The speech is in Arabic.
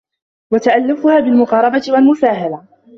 وَتَأَلُّفَهَا بِالْمُقَارَبَةِ وَالْمُسَاهَلَةِ